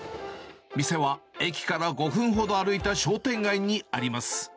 店は駅から５分ほど歩いた商店街にあります。